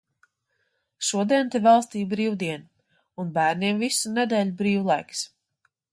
Šodien te valstī brīvdiena un bērniem visu nedēļu brīvlaiks.